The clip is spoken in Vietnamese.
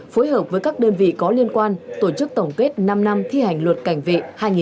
phối hợp với các đơn vị có liên quan tổ chức tổng kết năm năm thi hành luật cảnh vệ hai nghìn một mươi chín